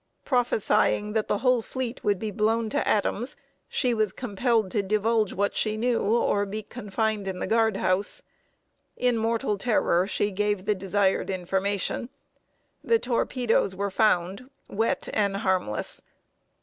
Prophesying that the whole fleet would be blown to atoms, she was compelled to divulge what she knew, or be confined in the guard house. In mortal terror she gave the desired information. The torpedoes were found wet and harmless.